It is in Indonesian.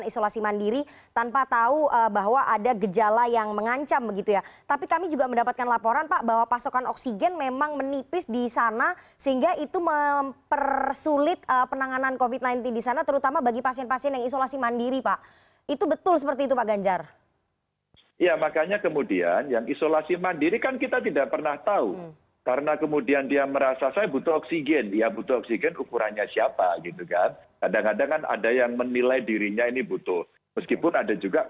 selamat sore mbak rifana